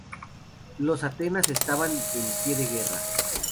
Los Atenas estaban en pie de guerra.